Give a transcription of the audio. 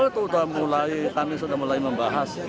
itu sudah mulai kami sudah mulai membahas